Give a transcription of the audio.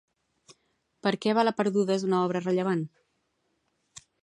Per què Bala perduda és una obra rellevant?